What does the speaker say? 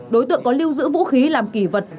đối tượng có lưu giữ vũ khí làm kỷ vật